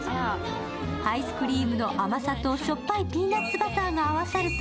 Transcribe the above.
アイスクリームの甘さとしょっぱいピーナッツバターが合わさると